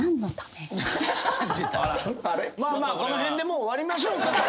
まあまあこの辺でもう終わりましょうか。